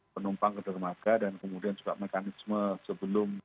penumpang ke dermaga dan kemudian juga mekanisme sebelum